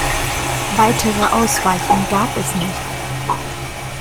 Weitere Ausweichen gab es nicht.